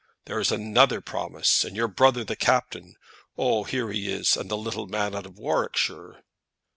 That is another promise. And your brother, the captain. Oh! here he is, and the little man out of Warwickshire."